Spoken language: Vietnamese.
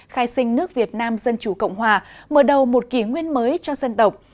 khai sinh nước việt nam dân chủ cộng hòa mở đầu một kỷ nguyên mới cho dân tộc